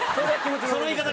その言い方